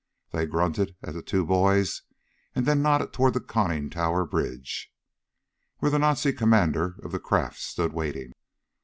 They grunted at the two boys and then nodded toward the conning tower bridge where the Nazi commander of the craft stood waiting.